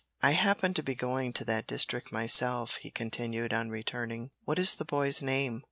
"I happen to be going to that district myself," he continued on returning, "what is the boy's name?"